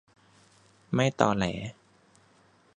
ไม่ตอแหล